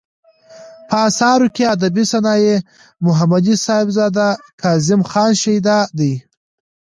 په اثارو کې ادبي صنايع ، محمدي صاحبزداه ،کاظم خان شېدا دى.